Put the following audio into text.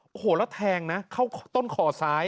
โอ้โหแล้วแทงนะเข้าต้นคอซ้าย